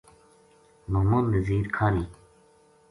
محمد نزیر کھاہری